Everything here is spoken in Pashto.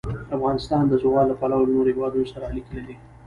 افغانستان د زغال له پلوه له نورو هېوادونو سره اړیکې لري.